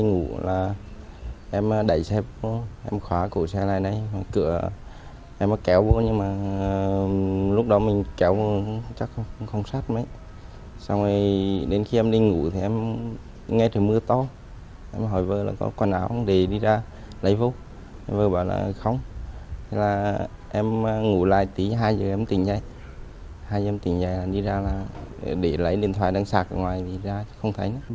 hai giờ em tỉnh dậy hai giờ em tỉnh dậy là đi ra là để lấy điện thoại đăng sạc ở ngoài đi ra không thấy nữa